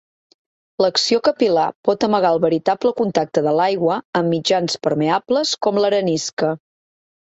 L'acció capil·lar pot amagar el veritable contacte de l'aigua en mitjans permeables com l'arenisca.